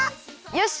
よし！